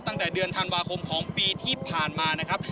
ตั้งแต่เดือนธันวาคมของปีที่ผ่านมานะครับ